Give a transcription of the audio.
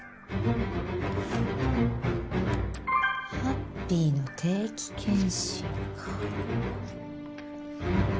「ハッピーの定期検診」か。